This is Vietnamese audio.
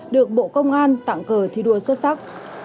được bộ công an tặng cờ thi đua xuất sắc